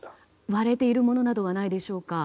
割れているものなどはないでしょうか？